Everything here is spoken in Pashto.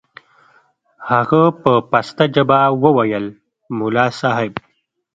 هغه په پسته ژبه وويل ملا صاحب.